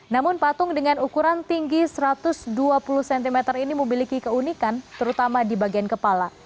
namun patung dengan ukuran tinggi satu ratus dua puluh cm ini memiliki keunikan terutama di bagian kepala